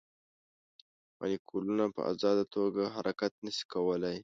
مالیکولونه په ازاده توګه حرکت نه شي کولی.